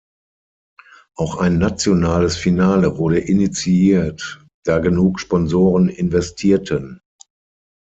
Auch ein nationales Finale wurde initiiert, da genug Sponsoren investierten.